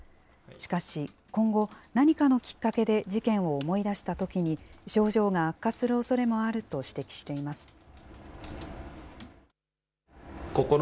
しかし、今後、何かのきっかけで事件を思い出したときに、症状が悪化するおそれもあると指摘しています。